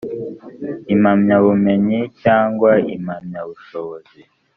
impamyabumenyi cyangwa impamyabushobozi